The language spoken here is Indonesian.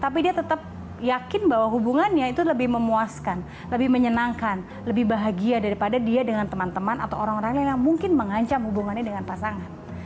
tapi dia tetap yakin bahwa hubungannya itu lebih memuaskan lebih menyenangkan lebih bahagia daripada dia dengan teman teman atau orang orang lain yang mungkin mengancam hubungannya dengan pasangan